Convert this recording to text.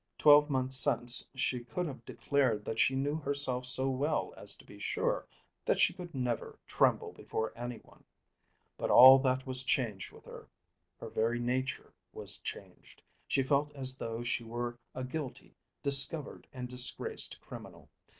Twelve months since she could have declared that she knew herself so well as to be sure that she could never tremble before anyone. But all that was changed with her. Her very nature was changed. She felt as though she were a guilty, discovered, and disgraced criminal.